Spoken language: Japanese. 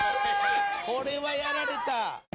これはやられた！